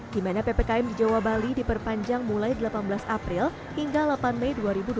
di mana ppkm di jawa bali diperpanjang mulai delapan belas april hingga delapan mei dua ribu dua puluh